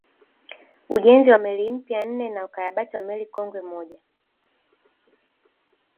Ujenzi wa meli mpya nne na ukarabati wa meli kongwe moja